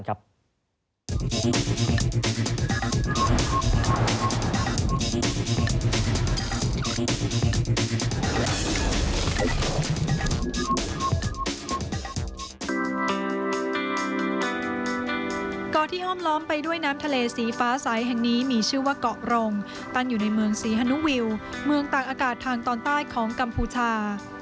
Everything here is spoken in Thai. ก่อนที่ห้อมล้อมไปด้วยน้ำทะเลสีฟ้าใสแห่งนี้มีชื่อว่าเกาะรงตั้งอยู่ในเมืองศรีฮานุวิวเมืองตากอากาศทางตอนใต้ของกัมพูชา